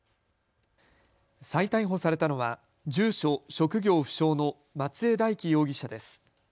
再逮捕されたのは住所・職業不詳の松江大樹容疑者です。